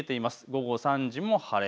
午後３時も晴れ。